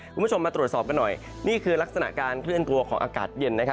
คุณผู้ชมมาตรวจสอบกันหน่อยนี่คือลักษณะการเคลื่อนตัวของอากาศเย็นนะครับ